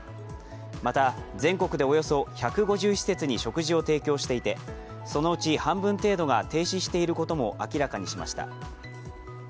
また全国でおよそ１５０施設に食事を提供していてそのうち半分程度が停止していることも明らかにしました。